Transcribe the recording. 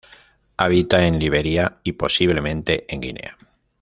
Habita en Liberia y posiblemente en Guinea.